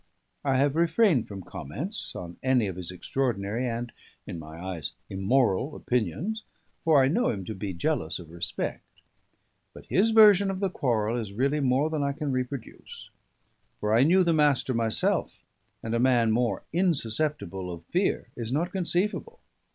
I have refrained from comments on any of his extraordinary and (in my eyes) immoral opinions, for I know him to be jealous of respect. But his version of the quarrel is really more than I can reproduce; for I knew the Master myself, and a man more insusceptible of fear is not conceivable.